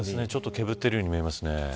煙っているように見えますね。